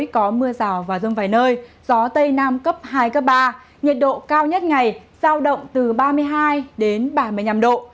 có mưa rào và rông vài nơi gió tây nam cấp hai cấp ba nhiệt độ cao nhất ngày giao động từ ba mươi hai đến ba mươi năm độ